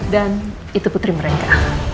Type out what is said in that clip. dan itu putri mereka